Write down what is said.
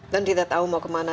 dan tidak tahu mau kemana